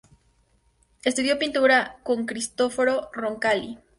Estudió pintura con Cristoforo Roncalli.